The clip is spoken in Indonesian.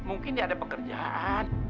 mungkin dia ada pekerjaan